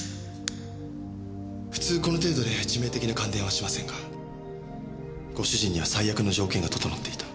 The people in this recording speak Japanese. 普通この程度で致命的な感電はしませんがご主人には最悪の条件が整っていた。